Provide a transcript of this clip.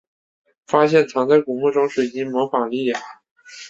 发现藏在古墓中水晶的魔法力量。